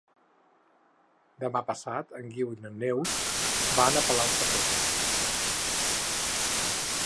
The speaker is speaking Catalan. Demà passat en Guiu i na Neus van a Palau-sator.